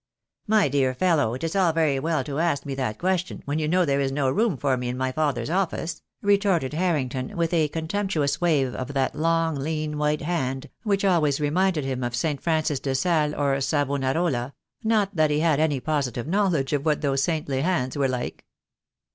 "My dear fellow, it is all very well to ask me that question, when you know there is no room for me in my father's office," retorted Harrington, with a contemptuous wave of that long, lean white hand, which always reminded him of St. Francis de Sales or Savonarola; not that he had any positive knowledge of what those saintly hands were like.